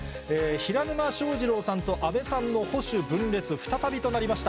平沼正二郎さんと阿部さんの保守分裂再びとなりました。